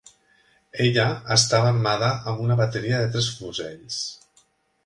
Ella estava armada amb una bateria de tres fusells.